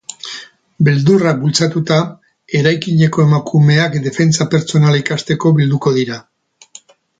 Beldurrak bultzatuta, eraikineko emakumeak defentsa pertsonala ikasteko bilduko dira.